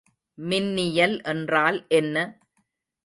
மின்னியல் என்றால் என்ன?